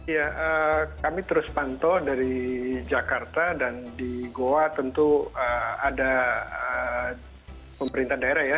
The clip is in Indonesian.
ya kami terus pantau dari jakarta dan di goa tentu ada pemerintah daerah ya